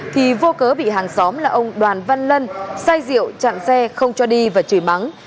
thì vô cớ bị hàng xóm là ông đoàn văn lân sai rượu chặn xe không cho đi và chửi mắng